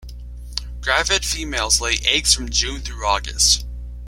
Gravid females lay eggs from June through August.